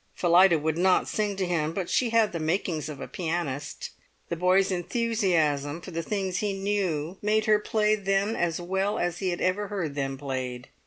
Phillida would not sing to him, but she had the makings of a pianist. The boy's enthusiasm for the things he knew made her play then as well as ever he had heard them played.